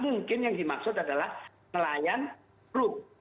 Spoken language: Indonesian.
mungkin yang dimaksud adalah nelayan grup